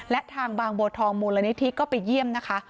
และทางบางบัวทองมูลนิธิก็ไปเยี่ยมนะคะ